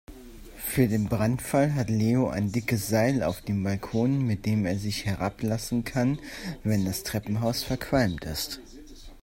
Für den Brandfall hat Leo ein dickes Seil auf dem Balkon, mit dem er sich herablassen kann, wenn das Treppenhaus verqualmt ist.